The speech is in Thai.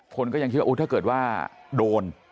คนก็ยังคิดว่าถ้าเกิดว่าโดน